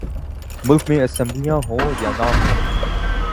ملک میں اسمبلیاں ہوں یا نہ ہوں۔